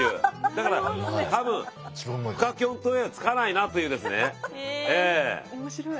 だから多分深キョン島へは着かないなというですねええ。